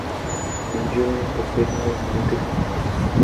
Manželé pak bydleli v Lutychu.